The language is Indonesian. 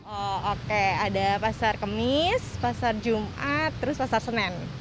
oh oke ada pasar kemis pasar jumat terus pasar senen